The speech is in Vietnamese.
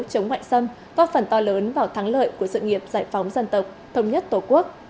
chống ngoại xâm góp phần to lớn vào thắng lợi của sự nghiệp giải phóng dân tộc thống nhất tổ quốc